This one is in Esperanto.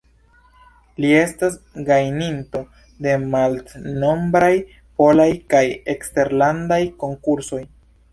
Li estas gajninto de multnombraj polaj kaj eksterlandaj konkursoj.